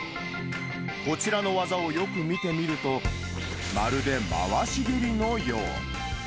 こちらの技をよく見てみると、まるで回し蹴りのよう。